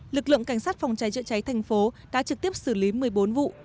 lực lượng cảnh sát phòng cháy trợ cháy tp hcm đã trực tiếp xử lý một mươi bốn vụ